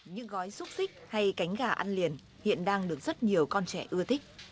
những gói xúc xích hay cánh gà ăn liền hiện đang được rất nhiều con trẻ ưa thích